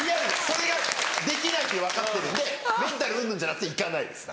それができないって分かってるんでメンタルうんぬんじゃなくて行かないです。